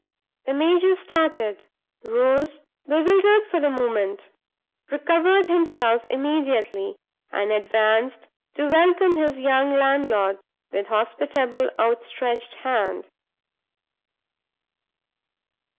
The major started; rose, bewildered for the moment; recovered himself immediately, and advanced to welcome his young landlord, with hospitable, outstretched hand.